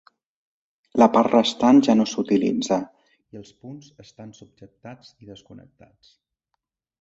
La part restant ja no s'utilitza, i els punts estan subjectats i desconnectats.